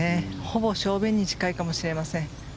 ほぼ正面に近いかもしれません。